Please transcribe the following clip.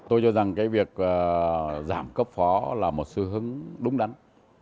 tôi cho rằng cái việc giảm cấp phó là một sự hứng đúng đắn